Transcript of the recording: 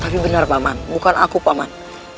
tapi benar pak man bukan aku pak man